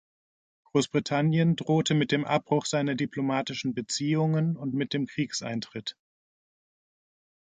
Großbritannien drohte mit dem Abbruch seiner diplomatischen Beziehungen und mit dem Kriegseintritt.